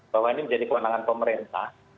bahwa ini menjadi kewenangan pemerintah